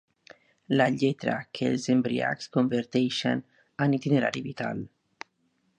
La lletra que els embriacs converteixen en itinerari vital.